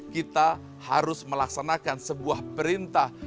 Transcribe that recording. kita harus melaksanakan sebuah perintah